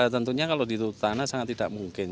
tentunya kalau di tanah sangat tidak mungkin